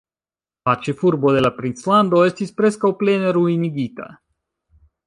La ĉefurbo de la princlando estis preskaŭ plene ruinigita.